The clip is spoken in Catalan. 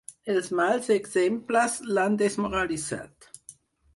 Els mals exemples l'han desmoralitzat.